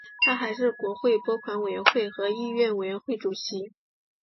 他还是国会拨款委员会和议院委员会主席。